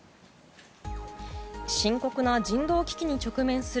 深刻な人道危機に直面する